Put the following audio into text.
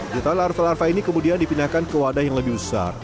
jutaan larva larva ini kemudian dipindahkan ke wadah yang lebih besar